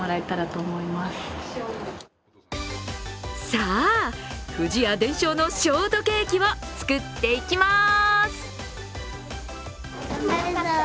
さあ、不二家伝承のショートケーキを作っていきます。